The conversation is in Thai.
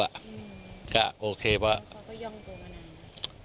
อื้มเขาก็ย่องตัวมานาน